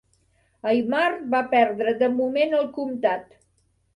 Aimar va perdre de moment el comtat.